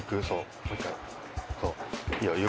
そう。